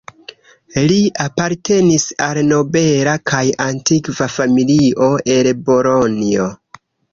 Li apartenis al nobela kaj antikva familio el Bolonjo.